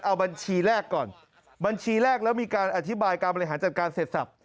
เอาบัญชีแรกก่อนบัญชีแรกแล้วมีการอธิบายการบริหารจัดการเสร็จสับ